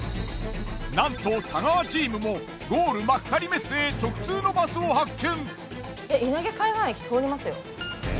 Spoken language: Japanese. なんと太川チームもゴール幕張メッセへ直通のバスを発見。